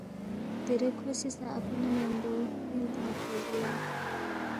دیرے کھو سی سہ اپی نہ ن٘یمبو فرِن تان٘یدپا جُویا